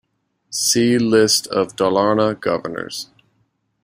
See List of Dalarna Governors.